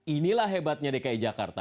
inilah hebatnya dki jakarta